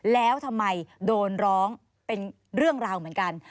แล้วทำไมโดนร้องเป็นเรื่องราวเหมือนกัน